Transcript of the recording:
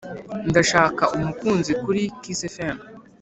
Ndashaka umukunzi kuri kiss fm